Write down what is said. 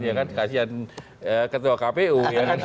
ya kan kasian ketua kpu